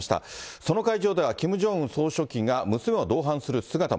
その会場ではキム・ジョンウン総書記が娘を同伴する姿も。